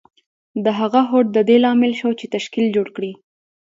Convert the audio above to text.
د هغه هوډ د دې لامل شو چې تشکیل جوړ کړي